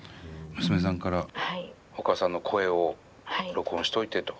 娘さんからお母さんの声を録音しておいてと。